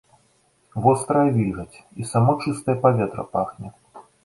Вострая вільгаць, і само чыстае паветра пахне.